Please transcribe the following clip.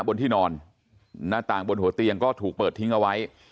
บนที่นอนหน้าต่างบนหัวเตียงก็ถูกเปิดทิ้งเอาไว้